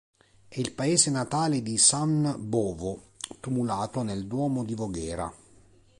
È il paese natale di San Bovo, tumulato nel duomo di Voghera.